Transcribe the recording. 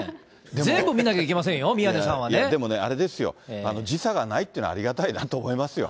全部見なきゃいけませんよ、宮根でもね、あれですよ、時差がないっていうのはありがたいなと思いますよ。